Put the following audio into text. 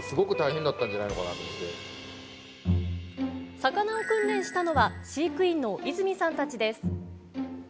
魚を訓練したのは飼育員の泉さんたちです。